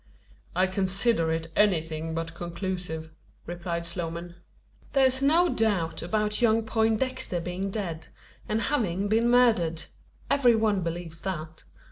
"I consider it anything but conclusive," replied Sloman. "There's no doubt about young Poindexter being dead, and having been murdered. Every one believes that.